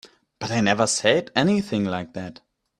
But I never said anything like that.